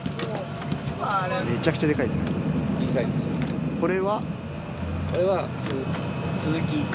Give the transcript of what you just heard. めちゃくちゃでかいですね。